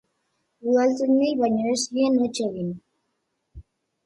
Udaltzainei baino ez zien hots egin.